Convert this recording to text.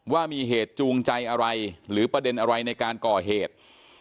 ว่ามีเหตุจูงใจอะไรหรือประเด็นอะไรในการก่อเหตุ